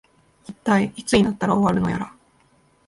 いったい、いつになったら終わるのやら